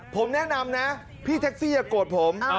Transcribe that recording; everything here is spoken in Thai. ผมแนะนำนะพี่แท็กซี่อย่าโกรธผม